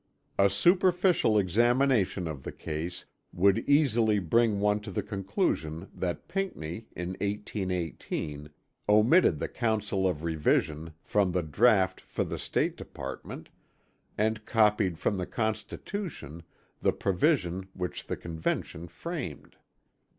A superficial examination of the case would easily bring one to the conclusion that Pinckney in 1818 omitted the council of revision from the draught for the State Department and copied from the Constitution the provision which the Convention framed.